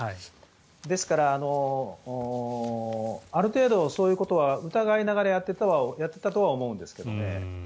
ですから、ある程度そういうことは疑いながらやっていたとは思うんですけどね。